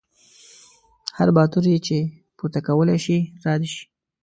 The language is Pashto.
هر باتور یې چې پورته کولی شي را دې شي.